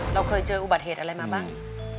เราเคยเจออุบัติเหตุอะไรมาบ้าง